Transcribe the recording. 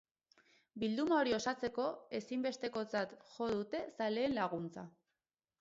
Bilduma hori osatzeko, ezinbestekotzat jo dute zaleen laguntza.